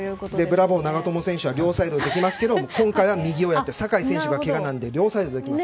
ブラボー長友選手は両サイド出ていますが今回は右で酒井選手がけがなので両サイドで。